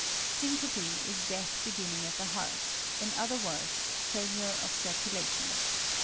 =Syncope= is death beginning at the heart in other words, failure of circulation.